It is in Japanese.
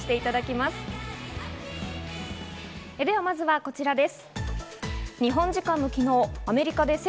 まずはこちらです。